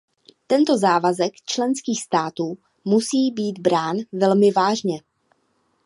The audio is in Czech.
Tento závazek členských států musí být brán velmi vážně.